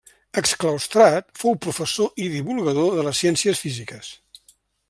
Exclaustrat, fou professor i divulgador de les ciències físiques.